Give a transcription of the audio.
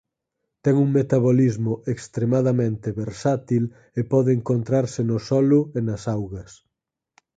Ten un metabolismo extremadamente versátil e pode encontrarse no solo e nas augas.